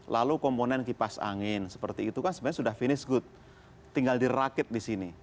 lalu komponen kipas angin seperti itu kan sebenarnya sudah finish good tinggal dirakit di sini